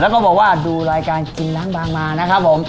แล้วก็บอกว่าดูรายการกินล้างบางมานะครับผม